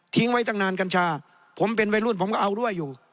ไว้ตั้งนานกัญชาผมเป็นวัยรุ่นผมก็เอาด้วยอยู่